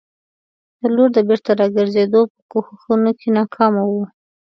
د لور د بېرته راګرزېدو په کوښښونو کې ناکامه وو.